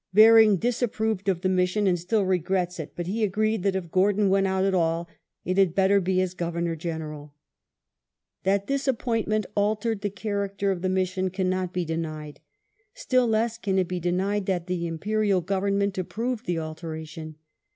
Baring disapproved of the mission and still regrets it,^ but he agreed that if Gordon went at all it had better be as Governor General. That this ap pointment altered the character of the mission cannot be denied ; still less can it be denied that the Imperial Government approved the alteration.